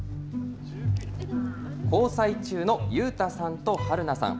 交際中のゆうたさんとはるなさん。